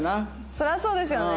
そりゃそうですよね。